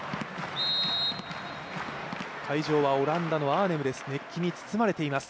会場はオランダのアーネムです